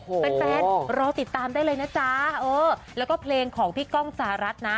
แฟนแฟนรอติดตามได้เลยนะจ๊ะเออแล้วก็เพลงของพี่ก้องสหรัฐนะ